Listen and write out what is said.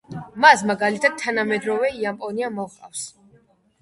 მას მაგალითად თანამედროვე იაპონია მოჰყავს.